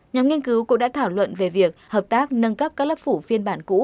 nhóm nghiên cứu cũng đã thảo luận về việc hợp tác nâng cấp các lớp phủ phiên bản cũ